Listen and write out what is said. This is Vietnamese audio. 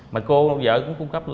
mà cô vợ cũng cung cấp